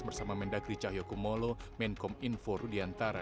bersama mendagri cahyokumolo menkom info rudiantara